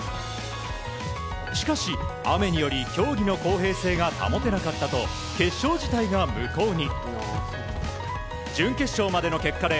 しかし、雨により競技の公平性が保てなかったと決勝自体が無効に。